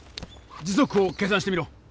時速を計算してみろ。